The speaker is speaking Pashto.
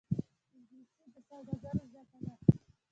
انګلیسي د سوداګرو ژبه ده